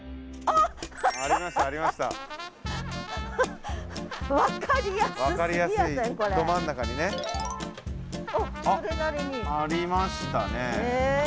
あっありましたね。